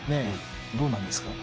どうなんですか？